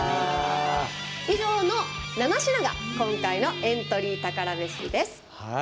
以上の７品が今回のエントリー宝メシです。